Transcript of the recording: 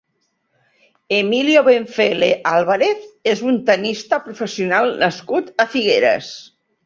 Emilio Benfele Álvarez és un tennista professional nascut a Figueres.